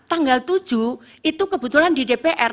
tanggal tujuh itu kebetulan di dpr